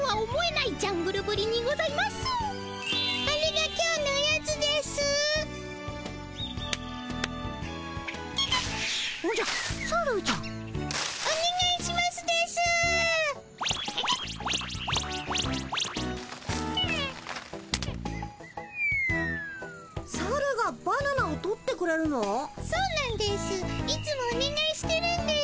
いつもお願いしてるんです。